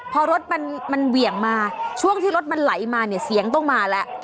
พอรถมันเหวี่ยงมาช่วงที่รถมันไหลมาเนี่ยเสียงต้องมาแล้ว